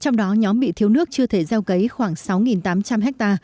trong đó nhóm bị thiếu nước chưa thể gieo cấy khoảng sáu tám trăm linh ha